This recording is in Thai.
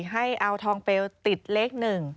๑๒๔ให้เอาทองเปลติดเลขหนึ่ง